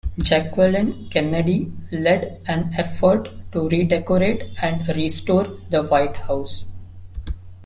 Jacqueline Kennedy led an effort to redecorate and restore the White House.